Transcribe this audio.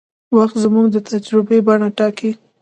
وخت زموږ د تجربې بڼه ټاکي.